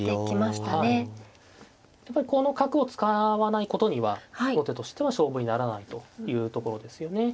やっぱりこの角を使わないことには後手としては勝負にならないというところですよね。